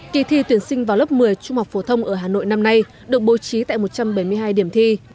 kỳ thi tuyển sinh vào lớp một mươi trung học phổ thông ở hà nội năm nay được bố trí tại một trăm bảy mươi hai điểm thi